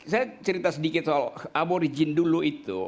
saya cerita sedikit soal aborigin dulu itu